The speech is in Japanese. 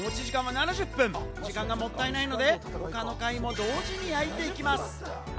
しかし持ち時間は７０分と時間がもったいないので、他の貝も同時に焼いていきます。